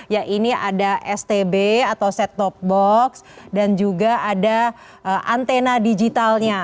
ya ini ada stb atau set top box dan juga ada antena digitalnya